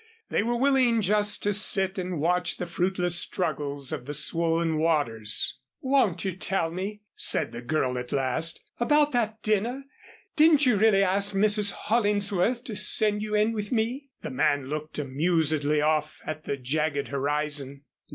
They were willing just to sit and watch the fruitless struggles of the swollen waters. "Won't you tell me," said the girl at last, "about that dinner? Didn't you really ask Mrs. Hollingsworth to send you in with me?" The man looked amusedly off at the jagged horizon.